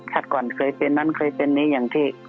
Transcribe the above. ถ้าก่อนเคยเป็นนั้นเคยเป็นนี้อย่างที่